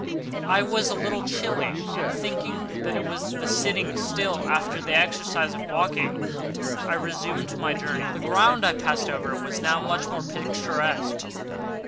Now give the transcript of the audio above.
I was a little chilly, and, thinking that it was the sitting still after the exercise of walking, I resumed my journey. The ground I passed over was now much more picturesque.